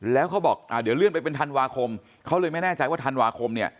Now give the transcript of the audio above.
แล้วเขาบอกเดี๋ยวเลื่อนไปเป็นธันวาคมเขาเลยไม่แน่ใจว่าธันวาคมเนี่ย